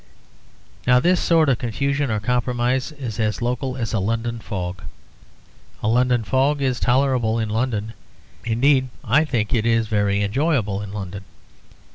Now this sort of confusion or compromise is as local as a London fog. A London fog is tolerable in London, indeed I think it is very enjoyable in London.